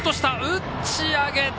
打ち上げた。